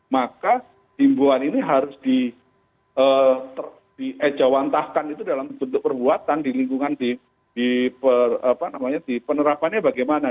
maka himbuan ini harus diejawantahkan itu dalam bentuk perbuatan di lingkungan di penerapannya bagaimana